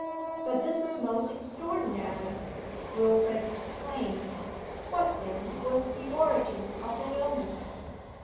'But this is most extraordinary,' Wilfrid exclaimed, 'What, then, was the origin of her illness?'